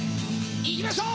行きましょう！